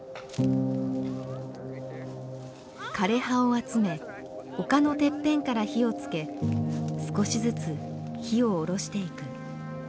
枯れ葉を集め丘のてっぺんから火をつけ少しずつ火を下ろしていく。